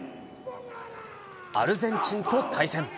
アルゼンチンと対戦。